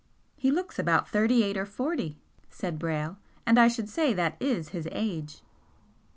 "He looks about thirty eight or forty," said Brayle, "And I should say that is his age."